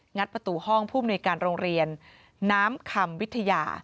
งัดประตูห้องผู้มนุยการโรงเรียนน้ำคำวิทยา